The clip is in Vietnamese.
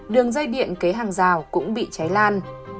đường dây điện kế hàng rào cũng bị cháy lan